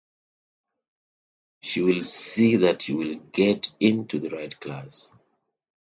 She’ll see that you get into the right class.